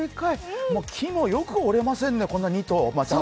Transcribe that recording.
木もよく折れませんね、この２頭。